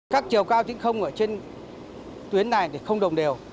các chiều cao tỉnh không ở trên tuyến này không đồng đều